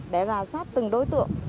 để rào sát từng đối tượng